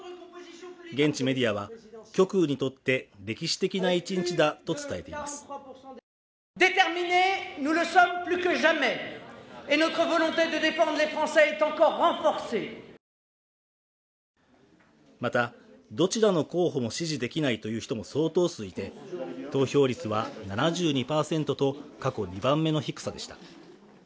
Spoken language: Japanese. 現地メディアは極右にとって歴史的な１日だと伝えていますまたどちらの候補も支持できないという人も相当数いて投票率は７２％と過去２番目の低さでした